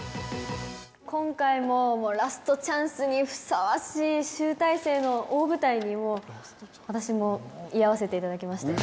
今回もラストチャンスにふさわしい集大成の大舞台に私も居合わせていただきました。